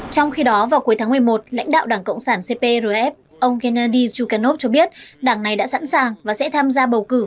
trong khi đó vào cuối tháng một mươi một lãnh đạo đảng cộng sản cprf ông gennady zhukanov cho biết đảng này đã sẵn sàng và sẽ tham gia bầu cử